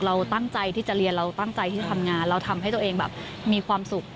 เราตั้งใจที่จะเรียนเราตั้งใจที่จะทำงานเราทำให้ตัวเองแบบมีความสุข